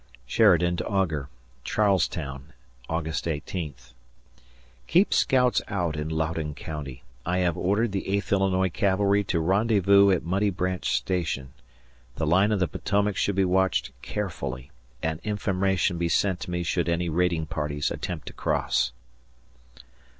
[Sheridan to Augur] Charles Town, August 18th. Keep scouts out in Loudon County. I have ordered the Eighth Illinois Cavalry to rendezvous at Muddy Branch Station. The line of the Potomac should be watched carefully, and information be sent to me should any raiding parties attempt to cross.